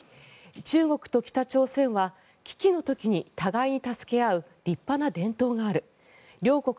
中国と北朝鮮は危機の時に互いに助け合う立派な伝統がある両国